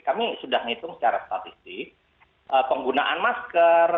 kami sudah ngitung secara statistik penggunaan masker